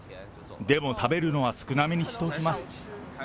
でも食べるのは少なめにしておきます。